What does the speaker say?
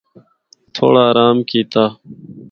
تھوڑا آرام کیتا۔